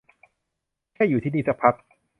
แค่อยู่ที่นี่สักพัก